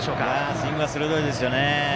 スイングは鋭いですよね。